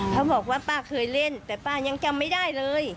เขาบอกว่าป้าเคยเล่นแต่ป้ายังจำไม่ได้เลย